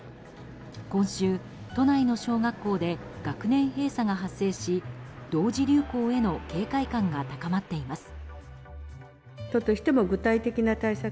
今週、都内の小学校で学年閉鎖が発生し同時流行への警戒感が高まっています。